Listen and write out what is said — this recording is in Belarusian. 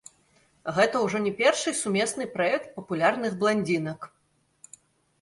Гэта ўжо не першы сумесны праект папулярных бландзінак.